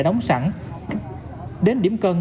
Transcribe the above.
đóng sẵn đến điểm cân